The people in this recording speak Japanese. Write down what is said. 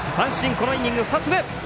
このイニング２つ目！